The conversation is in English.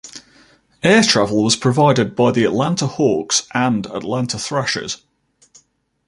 Air travel was provided by the Atlanta Hawks and Atlanta Thrashers.